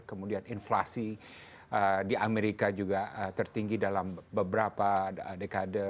kemudian inflasi di amerika juga tertinggi dalam beberapa dekade